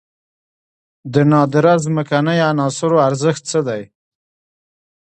د نادره ځمکنۍ عناصرو ارزښت څه دی؟